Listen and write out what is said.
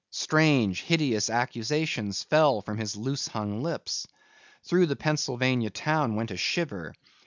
Strange, hideous accusations fell from his loosehung lips. Through the Pennsylvania town went a shiver.